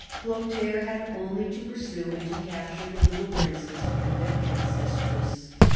Chlothair had only to pursue and to capture the little princes and their ancestress.